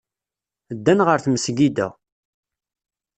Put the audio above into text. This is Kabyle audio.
Ddan ɣer tmesgida.